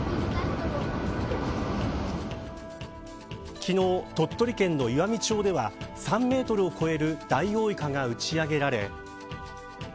昨日、鳥取県の岩美町では３メートルを超えるダイオウイカがうち上げられ。